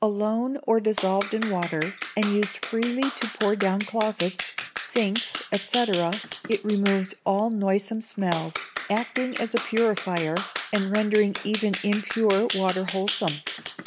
Alone or dissolved in water, and used freely to pour down closets, sinks, &c., it removes all noisome smells, acting as a purifier, and rendering even impure water wholesome.